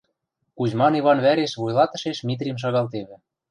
Кузьман Иван вӓреш вуйлатышеш Митрим шагалтевӹ...